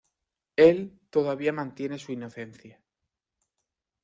Él todavía mantiene su inocencia.